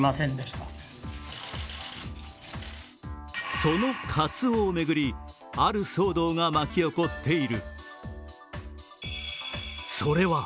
そのかつおを巡り、ある騒動が巻き起こっている。